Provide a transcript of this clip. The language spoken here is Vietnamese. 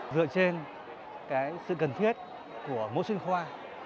dựa trên sự cần thiết của mỗi chuyên khoa